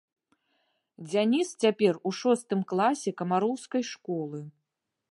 Дзяніс, цяпер у шостым класе камароўскай школы.